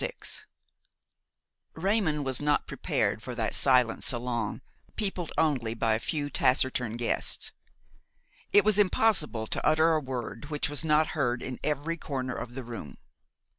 VI Raymon was not prepared for that silent salon, peopled only by a few taciturn guests. It was impossible to utter a word which was not heard in every corner of the room.